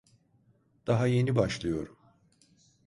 Daha yeni başlıyorum.